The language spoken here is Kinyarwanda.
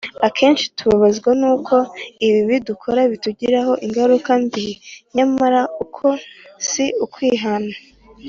akenshi tubabazwa n’uko ibibi dukora bitugiraho ingaruka mbi; nyamara uko si ukwihana